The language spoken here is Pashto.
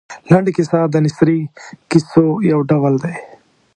لنډه کیسه د نثري کیسو یو ډول دی.